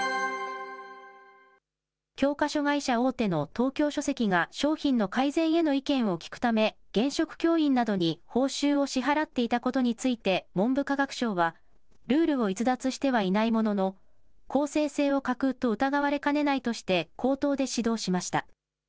教科書会社大手の東京書籍が商品の改善への意見を聞くため、現職教員などに報酬を支払っていたことについて文部科学省は、ルールを逸脱してはいないものの、公正性を欠くと疑われかねないとして、口頭で指導しました。